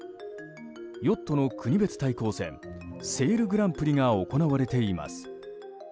ヨットの国別対抗戦セールグランプリが行われています。